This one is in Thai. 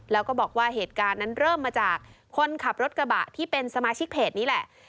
แล้วก็บอกว่าเหตุการณ์นั้นเริ่มมาจากคนขับรถกระบะที่เป็นสมาชิกเพจนี้แหละ